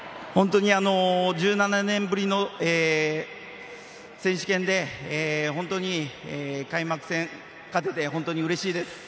１７年ぶりの選手権で本当に開幕戦、勝てて本当にうれしいです。